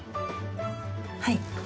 はい。